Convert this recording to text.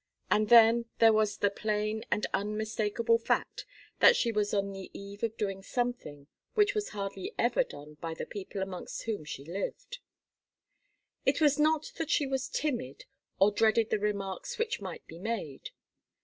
And then, there was the plain and unmistakable fact that she was on the eve of doing something which was hardly ever done by the people amongst whom she lived. It was not that she was timid, or dreaded the remarks which might be made.